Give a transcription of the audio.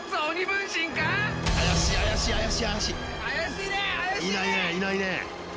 いないね、いないね。